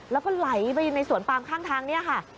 แล้วก็ไหลไปในสวนปามข้างทางเนี่ยค่ะ